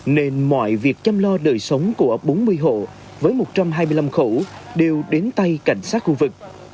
nên mọi việc chăm lo đời sống của bốn mươi hộ với một trăm hai mươi năm khẩu đều đến tay cảnh sát khu vực